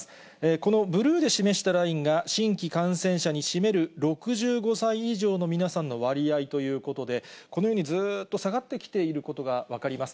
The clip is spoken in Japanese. このブルーで示したラインが、新規感染者に占める６５歳以上の皆さんの割合ということで、このように、ずーっと下がってきていることが分かります。